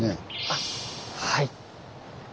あっはい。